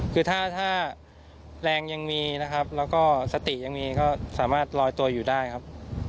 คือถ้าแรงยังมีนะครับแล้วก็สติยังมีก็สามารถลอยตัวอยู่ได้ครับ